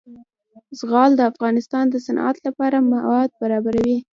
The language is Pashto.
زغال د افغانستان د صنعت لپاره مواد برابروي.